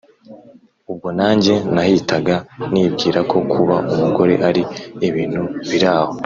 ubwo nanjye nahitaga nibwira ko kuba umugore ari ibintu biraho